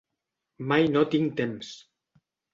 Mai no tinc temps.